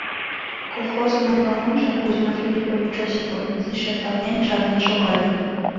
Колхозын агрономжо, Кузьма Филиппович Осипов, изиш эрталтен, чарнен шогале.